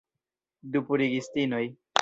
Du purigistinoj.